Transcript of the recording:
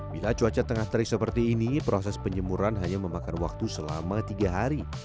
bila cuaca tengah terik seperti ini proses penjemuran hanya memakan waktu selama tiga hari